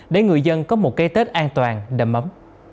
để người dân có một cái tết an toàn đầm ấm